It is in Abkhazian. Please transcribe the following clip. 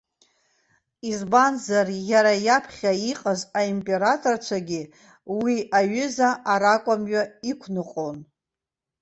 Избанзар иара иаԥхьа иҟаз аимператорцәагьы уи аҩыза аракәа-мҩа иқәныҟәон.